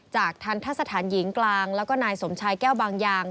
จากทันทรศธรรมหญิงกลางแล้วก็นายสมชายแก้วบางยาง